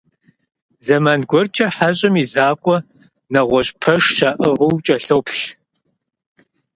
Зэман гуэркӏэ «хьэщӏэм» и закъуэ нэгъуэщӏ пэш щаӏыгъыу кӏэлъоплъ.